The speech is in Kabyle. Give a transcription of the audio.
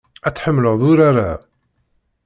Ad tḥemmleḍ urar-a.